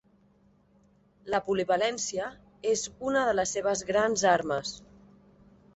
La polivalència és una de les seves grans armes.